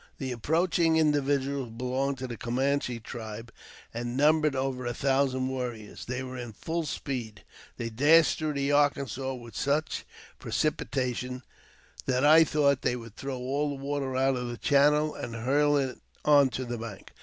The approaching individuals belonged to the Camanche tribe,, and numbered over a thousand warriors. They were in full speed. They dashed through the Arkansas with such precipita 396 AUTOBIOGBAPHY OF tion that I thought they would throw all the water out of the channel and hurl it on to the bank.